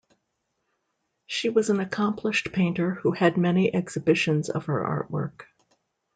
She was an accomplished painter who had many exhibitions of her artwork.